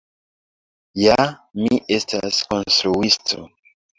Ja, mi estas konstruisto.